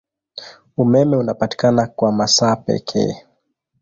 Umeme unapatikana kwa masaa pekee.